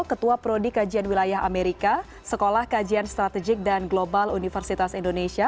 ketua prodi kajian wilayah amerika sekolah kajian strategik dan global universitas indonesia